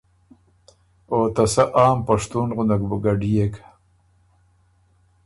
او ته سۀ عام پشتُون غندک بُو ګډيېک۔